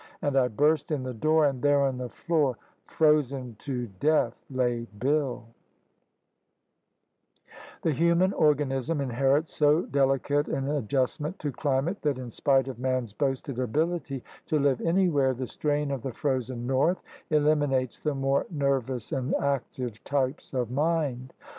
And I burst in the door, and there on the floor, frozen to death, lay Bill/ The human organism inherits so delicate an ad justment to climate that, in spite of man's boasted ability to live anywhere, the strain of the frozen North eliminates the more nervous and active types of mind.